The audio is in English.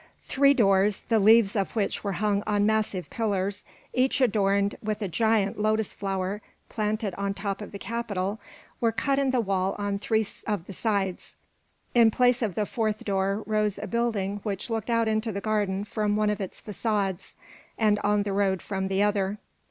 Three doors, the leaves of which were hung on massive pillars, each adorned with a giant lotus flower planted on top of the capital, were cut in the wall on three of the sides. In place of the fourth door rose a building which looked out into the garden from one of its façades, and on the road from the other.